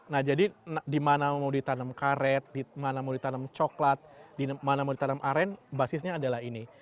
nah jadi di mana mau ditanam karet di mana mau ditanam coklat di mana mau ditanam aren basisnya adalah ini